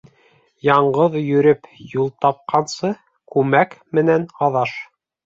Яңғыҙ йөрөп юл тапҡансы, күмәк менән аҙаш.